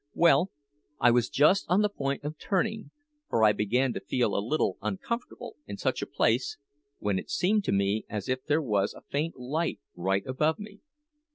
Well, I was just on the point of turning for I began to feel a little uncomfortable in such a place when it seemed to me as if there was a faint light right above me.